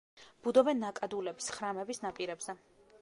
ბუდობენ ნაკადულების, ხრამების ნაპირებზე.